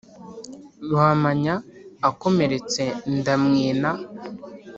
ruhamanya akomeretse ndamwina,